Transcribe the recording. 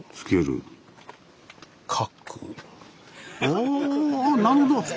おおなるほど！